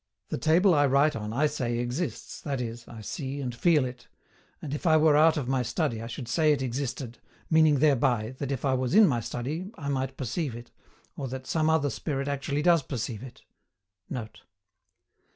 The table I write on I say exists, that is, I see and feel it; and if I were out of my study I should say it existed meaning thereby that if I was in my study I might perceive it, or that some other spirit actually does perceive it.[Note.